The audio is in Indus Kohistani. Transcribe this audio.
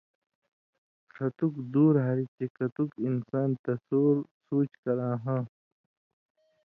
ݜَتُک دورہ ہاریۡ چے کَتُک انسان تصور/سُوچ کراہاں،